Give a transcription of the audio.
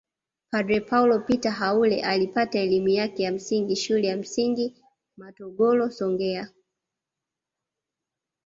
Padre Paul Peter Haule alipata elimu yake ya msingi shule ya msingi matogolo songea